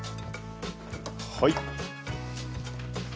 はい。